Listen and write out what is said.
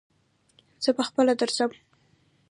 زه په خپله درځم